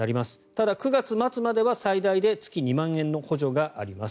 ただ、９月末までは最大で月２万円までの補助があります。